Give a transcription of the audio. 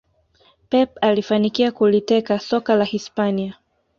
pep alifanikia kuliteka soka la hispania